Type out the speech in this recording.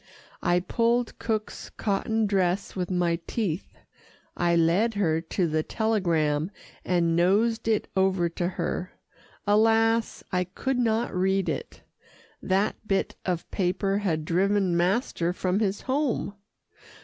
I pulled cook's cotton dress with my teeth. I led her to the telegram, and nosed it over to her. Alas! I could not read it. That bit of paper had driven master from his home.